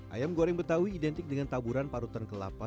ayam goreng betawi identik dengan taburan parutan kelapa